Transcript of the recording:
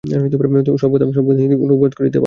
সব কথা হিন্দিতে অনুবাদ করে দিতে পারব না।